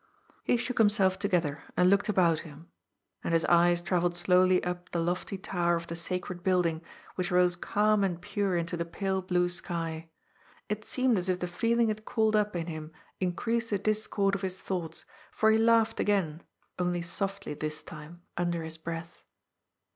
He shook himself together, and looked about him. And his eyes travelled slowly up the lofty tower of the sacred building, which rose calm and pure into the pale blue sky. It seemed as if the feeling it called up in him increased the discord of his thoughts, for he laughed again, only softly this time, under his breath.